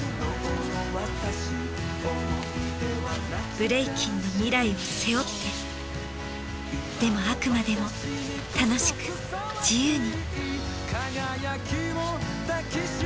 ブレイキンの未来を背負ってでもあくまでも楽しく自由に。